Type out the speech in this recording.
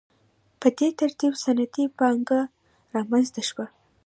په دې ترتیب صنعتي پانګه رامنځته شوه.